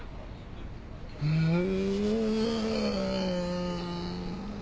うん。